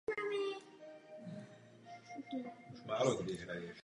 Nachází se na severu země a hraničí s Tureckem.